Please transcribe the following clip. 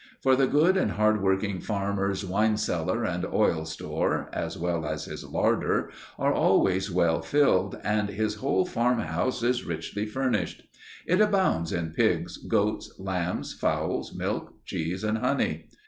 For the good and hard working farmer's wine cellar and oil store, as well as his larder, are always well filled, and his whole farm house is richly furnished. It abounds in pigs, goats, lambs, fowls, milk, cheese, and honey.